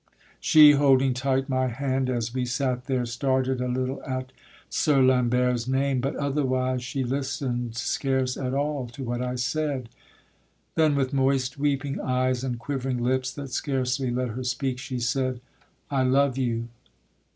She, holding tight my hand as we sat there, Started a little at Sir Lambert's name, But otherwise she listen'd scarce at all To what I said. Then with moist, weeping eyes, And quivering lips, that scarcely let her speak, She said: I love you.